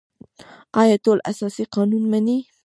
آیا ټول اساسي قانون مني؟